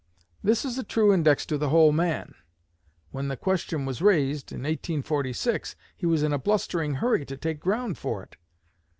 This is a true index to the whole man. When the question was raised, in 1846, he was in a blustering hurry to take ground for it.